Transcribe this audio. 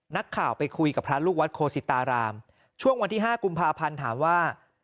นักข่าวไปคุยกับพระลูกวัดโคสิตารามช่วงวันที่๕กุมภาพันธ์ถามว่า